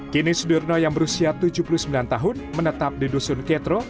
kini sudirno yang berusia tujuh puluh sembilan tahun menetap di dusun ketro